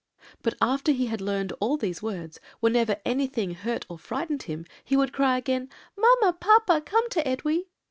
But after he had learned all these words, whenever anything hurt or frightened him, he would cry again, 'Mamma! papa! come to Edwy.'